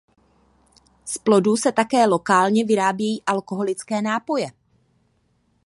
Z plodů se také lokálně vyrábějí alkoholické nápoje.